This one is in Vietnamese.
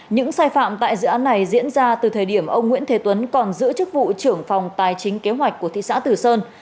những sai phạm tại dự án này diễn ra từ thời điểm ông nguyễn thế tuấn còn giữ chức vụ trưởng phòng tài chính kế hoạch của thị xã tử sơn